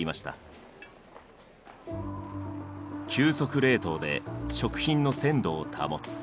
急速冷凍で食品の鮮度を保つ。